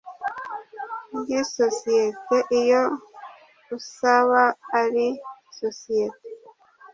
ry isosiyete iyo usaba ari isosiyete